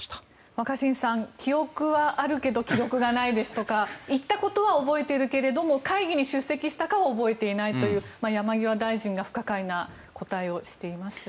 若新さん、記憶はあるけど記録がないですとか行ったことは覚えているけれども会議に出席したか覚えていないという山際大臣が不可解な答えをしています。